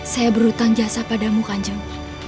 saya berhutang jasa padamu kanjeng